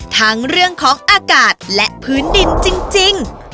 ทั้งเรื่องของอากาศและพื้นดินจริง